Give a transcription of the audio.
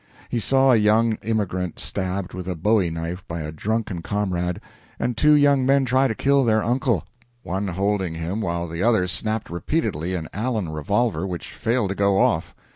He saw a young emigrant stabbed with a bowie knife by a drunken comrade, and two young men try to kill their uncle, one holding him while the other snapped repeatedly an Allen revolver, which failed to go off.